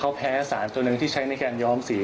เขาแพ้สารตัวหนึ่งที่ใช้ในการย้อมสี